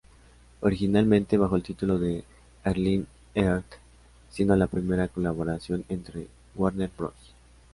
Originalmente bajo el título de "Airline Earth", siendo la primera colaboración entre Warner Bros.